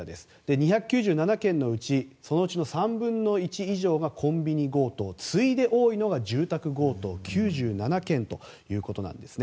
２９７件のうち３分の１以上がコンビニ強盗次いで多いのが住宅強盗９７件ということなんですね。